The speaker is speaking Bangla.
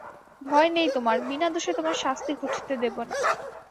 ভয় নেই তোমার, বিনা দোষে তোমার শাস্তি ঘটতে দেব না।